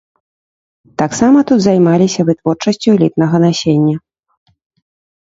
Таксама тут займаліся вытворчасцю элітнага насення.